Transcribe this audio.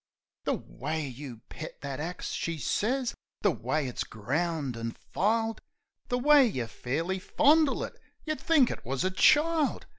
"The way you pet that axe," she sez "the way it's ground an' filed, The way you fairly fondle it, you'd think it wus a child